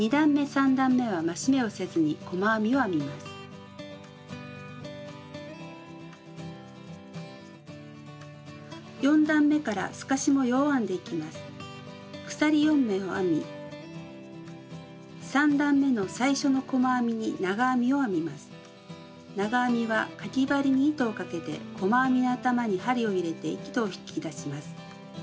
３段めの最初の細編みに長編みはかぎ針に糸をかけて細編みの頭に針を入れて糸を引き出します。